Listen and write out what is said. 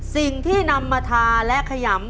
สิ่งที่นำมาทาและขยำ